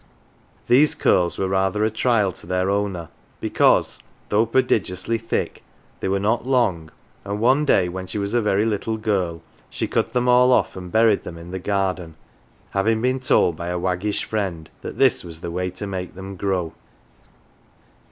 These curls were rather a trial to their o\vner, because, though prodigiously thick, they were not long, and one day, when she was a very little girl, she cut them all off and buried them in the garden, having been told by a waggish friend that this was the way to make them grow.